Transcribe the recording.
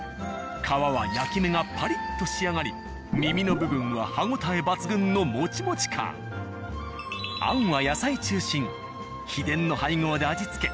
皮は焼き目がパリッと仕上がり耳の部分は歯応え抜群の餡は野菜中心秘伝の配合で味付け。